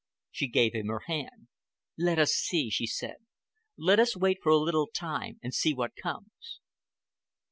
She gave him her hand. "Let us see," she said. "Let us wait for a little time and see what comes."